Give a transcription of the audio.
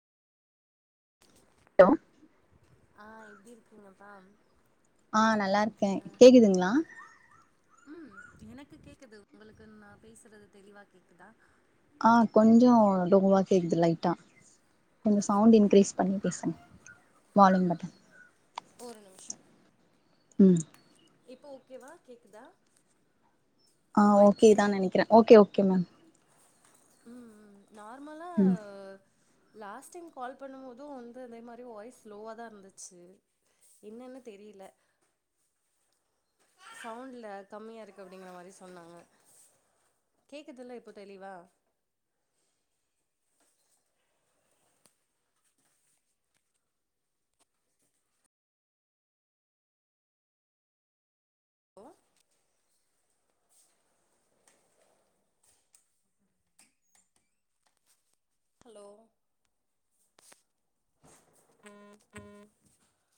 hello ஆ எப்டி இருக்கீங்கப்பா ஆ நல்லாருக்கே அ கேக்குதுங்ளா ம் எனக்கு கேக்குது உங்களுக்கு நா பேஸ்றது தெளிவா கேக்குதா ஆ கொஞ்சோ லோவா கேக்து லைட்டா கொஞ்சோ சவுண்டு இன்க்ரீஸ் பண்ணி பேசுங் வால்யூம் மட்டு ஒரு நிம்ஷோ ம் இப்போ ஓகேவா கேக்குதா ஆ வாய்ஸு ஓகேதா நெனைக்கிறே ஓகே ஓகே மேம் ம் ம் நார்மலா ம் லாஸ்ட் டைம் கால் பண்ணும்போது வந்து இதே மாரி வாய்ஸ் லோவா தா இருந்துச்சு என்னன்னு தெரியில சவுண்ட்ல கம்மியா இருக்கு அப்டிங்கிற மாரி சொன்னாங்க கேக்குதுல்ல இப்போ தெளிவா ஹலோ